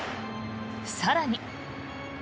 更に。